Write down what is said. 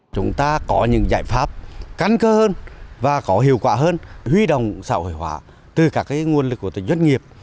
chúng ta có những giải pháp căn cơ hơn và có hiệu quả hơn huy động xã hội hóa từ các nguồn lực của từng doanh nghiệp